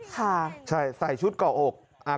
ค่ะใช่ใส่ชุดเกาะอก